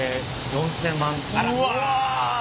４，０００万。